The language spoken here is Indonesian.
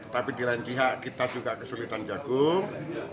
tapi di lancihak kita juga kesulitan jagung